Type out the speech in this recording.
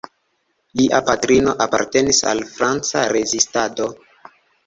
Lia patrino apartenis al franca rezistado.